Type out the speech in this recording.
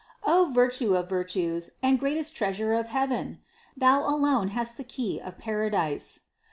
O Virtue of virtues and greatest treasure of heaven! Thou alone hast the key of paradise!